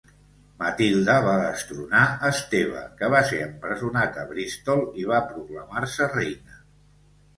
Matilde va destronar Esteve, que va ser empresonat a Bristol, i va proclamar-se reina.